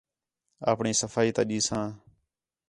اپݨی صفائی تا دیساں